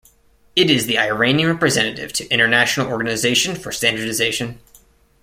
It is the Iranian representative to International Organization for Standardization.